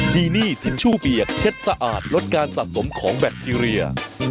ดีนี่ทิชชู่เปียกเช็ดสะอาดลดการสะสมของแบคทีเรีย